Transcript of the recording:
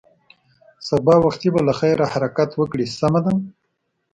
سبا وختي به له خیره حرکت وکړې، سمه ده.